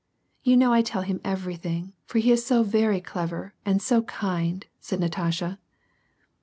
You know I tell him everything. For he is so clever and so kind," said Natasha.